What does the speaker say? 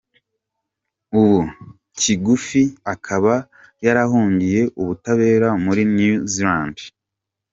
Ubu Kigufi akaba yarahungiye ubutabera muri New Zealand.